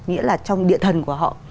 nghĩa là trong địa thần của họ